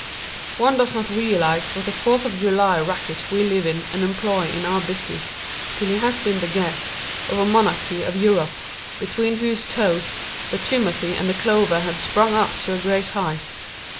One does not realize what a Fourth of July racket we live in and employ in our business till he has been the guest of a monarchy of Europe, between whose toes the timothy and clover have sprung up to a great height.